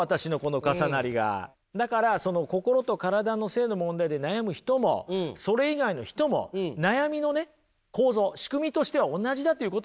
だからその心と体の性の問題で悩む人もそれ以外の人も悩みのね構造仕組みとしては同じだっていうことなんですよ。